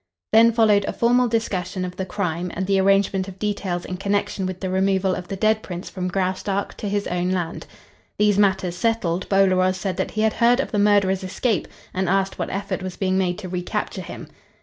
Then followed a formal discussion of the crime and the arrangement of details in connection with the removal of the dead Prince from Graustark to his own land. These matters settled, Bolaroz said that he had heard of the murderer's escape and asked what effort was being made to re capture him.